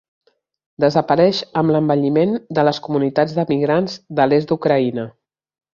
Desapareix amb l'envelliment de les comunitats d'emigrants de l'est d'Ucraïna.